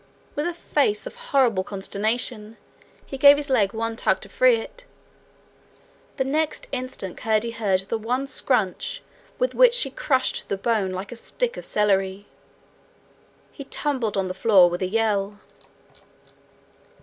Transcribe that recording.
With a face of horrible consternation, he gave his leg one tug to free it; the next instant Curdie heard the one scrunch with which she crushed the bone like a stick of celery. He tumbled on the floor with a yell.